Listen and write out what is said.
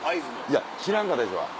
いや知らんかったでしょ